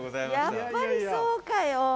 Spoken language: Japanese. やっぱりそうかよ。